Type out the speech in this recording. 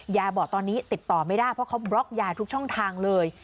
ยายบอกตอนนี้ติดต่อไม่ได้เพราะเขาบล็อกยายทุกช่องทางเลย